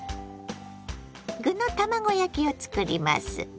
具の卵焼きを作ります。